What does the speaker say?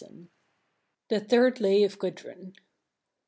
] THE THIRD LAY OF GUDRUN.